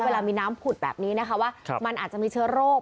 เวลามีน้ำผุดแบบนี้นะคะว่ามันอาจจะมีเชื้อโรค